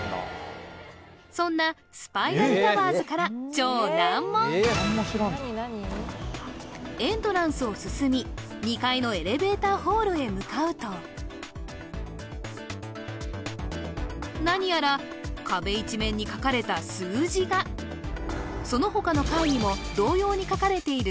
そんなスパイラルタワーズからエントランスを進みへ向かうと何やら壁一面に書かれた数字がその他の階にも同様に書かれている